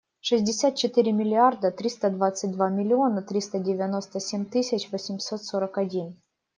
Шестьдесят четыре миллиарда триста двадцать два миллиона триста девяносто семь тысяч восемьсот сорок один.